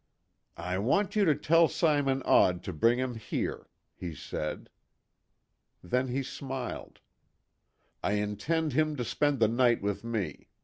"I want you to tell Simon Odd to bring him here," he said. Then he smiled. "I intend him to spend the night with me.